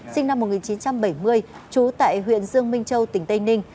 sinh năm một nghìn chín trăm bảy mươi trú tại huyện dương minh châu tỉnh tây ninh